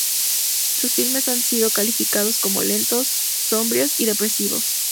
Sus filmes han sido calificados como lentos, sombríos y depresivos.